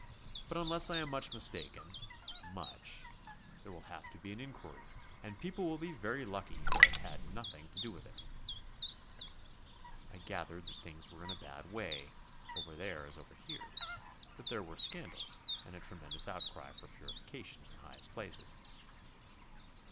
But, unless I am much mistaken much there will have to be an enquiry, and people will be very lucky who have had nothing to do with it ..." I gathered that things were in a bad way, over there as over here; that there were scandals and a tremendous outcry for purification in the highest places.